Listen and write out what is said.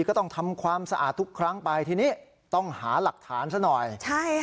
ก็ต้องทำความสะอาดทุกครั้งไปทีนี้ต้องหาหลักฐานซะหน่อยใช่ค่ะ